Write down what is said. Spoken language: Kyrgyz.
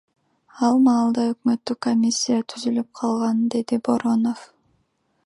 Ал маалда өкмөттүк комиссия түзүлүп калган, — деди Боронов.